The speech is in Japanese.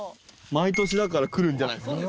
毎年だから来るんじゃないですか？